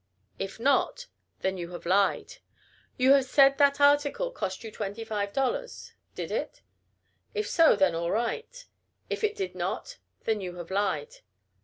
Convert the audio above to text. If not, then you have lied. You say that article cost you twenty five dollars. Did it? If so, then all right. If it did not, then you have lied.